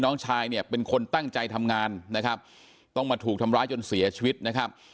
น้องชายเนี่ยเป็นคนตั้งใจทำงานนะครับต้องมาถูกทำร้ายจนเสียชีวิตนะครับ